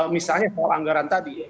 misalnya soal anggaran tadi